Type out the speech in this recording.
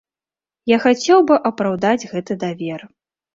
Я хацеў бы апраўдаць гэты давер.